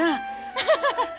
アハハハ。